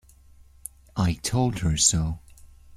I told her so.